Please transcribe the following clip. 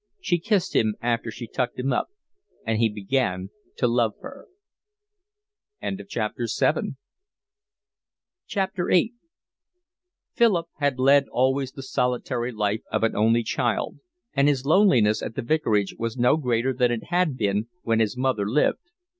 She kissed him after she tucked him up, and he began to love her. VIII Philip had led always the solitary life of an only child, and his loneliness at the vicarage was no greater than it had been when his mother lived.